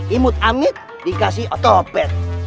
imut amit dikasih otopet